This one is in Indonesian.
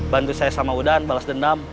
bantu saya sama udan balas dendam